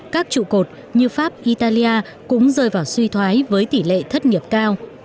các trụ cột như pháp italia cũng rơi vào suy thoái với tỷ lệ thất nghiệp cao